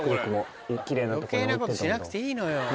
余計なことしなくていいのよ。